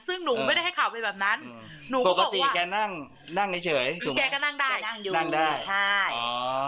ซึ่งหนูไม่ได้ให้ข่าวไปแบบนั้นหนูก็บอกว่าปกติแกนั่งนั่งเฉยใช่ไหม